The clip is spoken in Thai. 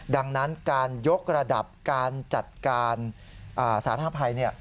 ดังนั้นการยกระดับการจัดการสาธารณภัย